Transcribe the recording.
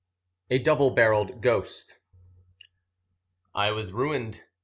A Double Barrelled Ghost. I was ruined.